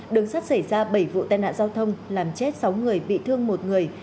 đường sắt xảy ra bảy vụ tai nạn giao thông làm chết sáu người bị thương một người